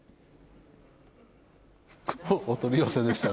お取り寄せでしたね。